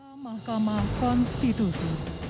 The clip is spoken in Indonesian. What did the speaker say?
ke mahkamah konstitusi